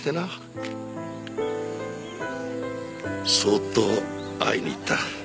そっと会いに行った。